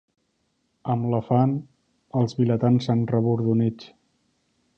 Amb la fam, els vilatans s'han rebordonit.